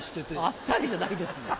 あっさりじゃないですよ。